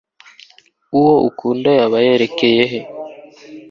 uwo ukunda yaba yerekeye he